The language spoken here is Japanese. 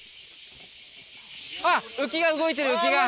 あっ浮きが動いてる浮きが！